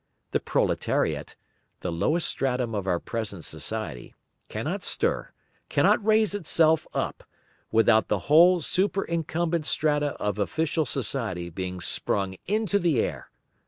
The proletariat, the lowest stratum of our present society, cannot stir, cannot raise itself up, without the whole superincumbent strata of official society being sprung into the air.